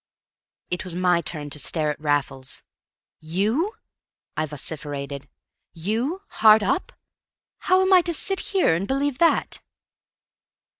It was my turn to stare at Raffles. "You?" I vociferated. "You hard up? How am I to sit here and believe that?"